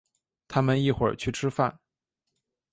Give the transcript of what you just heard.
他们一会儿去吃饭。